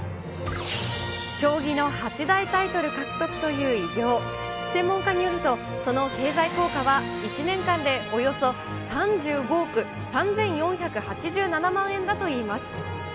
将棋の八大タイトル獲得という偉業、専門家によると、その経済効果は１年間でおよそ３５億３４８７万円だといいます。